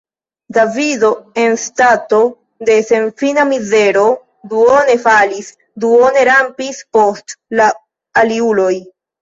Davido en stato de senfina mizero duone falis, duone rampis post la aliuloj.